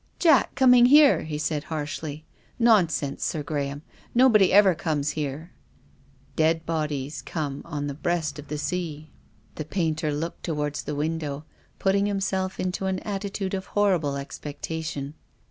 " Jack coming here !" he said harshly. " Non sense, Sir Graham. Nobody ever comes here." " Dead bodies come on the breast of the sea." THE GRAVE. 6/ The painter looked towards the window, putting himself into an attitude of horrible expectation.